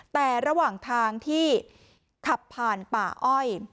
แต่ระหว่างทางที่ขับผ่านป่าอ้อย